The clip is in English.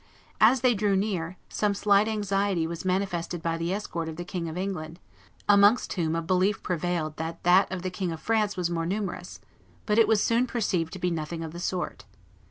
As they drew near, some slight anxiety was manifested by the escort of the King of England, amongst whom a belief prevailed that that of the King of France was more numerous; but it was soon perceived to be nothing of the sort.